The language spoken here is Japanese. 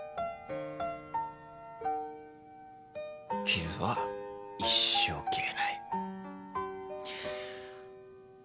傷は一生消えない。